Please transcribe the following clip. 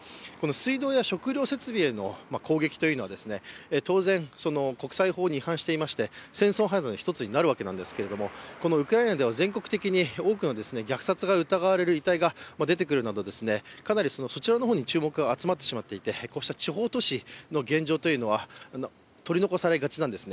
水道や、食料設備への攻撃は当然、国際法に違反していまして、戦争犯罪の一つになるわけですけれどもこのウクライナでは全国的に多くの虐殺が疑われる遺体が出てくるなど、かなりそちらの方に注目が集まってしまっていてこうした地方都市の現状というのは取り残されがちなんです。